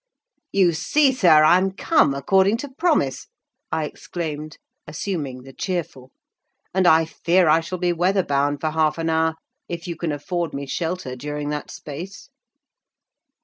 "You see, sir, I am come, according to promise!" I exclaimed, assuming the cheerful; "and I fear I shall be weather bound for half an hour, if you can afford me shelter during that space."